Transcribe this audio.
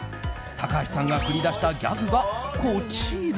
高橋さんが繰り出したギャグがこちら。